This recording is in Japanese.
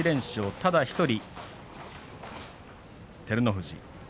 ただ１人、照ノ富士。